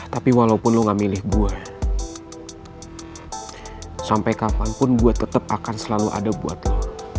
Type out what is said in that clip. tapi walaupun lo gak milih gue sampai kapanpun gue tetap akan selalu ada buat lo